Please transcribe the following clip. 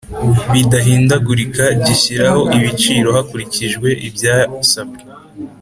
bidahindagurika gishyiraho ibiciro hakurikijwe ibyasabwe